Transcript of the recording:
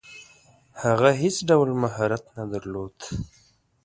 هغه هیڅ ډول مهارت نه درلود.